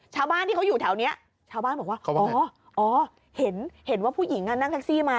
ชาวบ้านที่เขาอยู่แถวนี้ชาวบ้านบอกว่าอ๋ออ๋อเห็นว่าผู้หญิงนั่งแท็กซี่มา